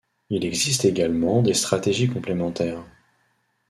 Il existe également des stratégies complémentaires.